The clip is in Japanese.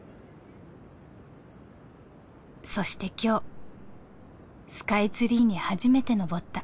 そして今日スカイツリーに初めてのぼった。